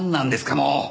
もう！